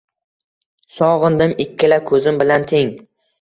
Sog’indim ikkala ko’zim bilan teng